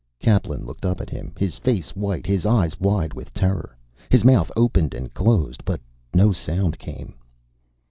Kaplan looked up at him, his face white, his eyes wide with terror. His mouth opened and closed, but no sound came.